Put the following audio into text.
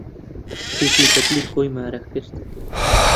کچێکی بە دڵی خۆی مارە کرد.